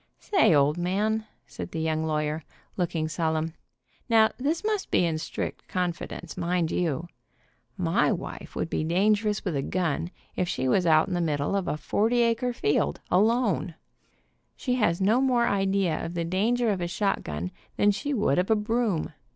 "Say, old man," said the young lawyer, looking sol emn, "now this must be in strict confidence, mind you. My wife would be dangerous with a gun, if she was out in the middle of a forty acre field, alone. THE WOMAN BEHIND THE GUN She has no more idea of the danger of a shotgun than she would of a broom.